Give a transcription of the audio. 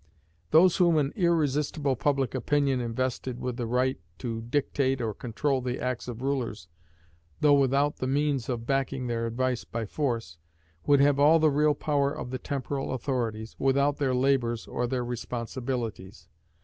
Those whom an irresistible public opinion invested with the right to dictate or control the acts of rulers, though without the means of backing their advice by force, would have all the real power of the temporal authorities, without their labours or their responsibilities.